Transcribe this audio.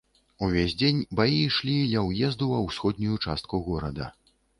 Увесь дзень баі ішлі ля ўезду ва ўсходнюю частку горада.